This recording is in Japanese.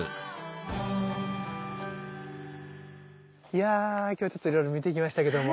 いや今日ちょっといろいろ見てきましたけども。